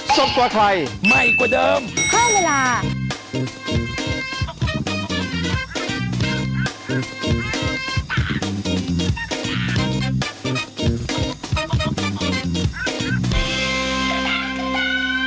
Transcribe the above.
โปรดติดตามตอนต่อไป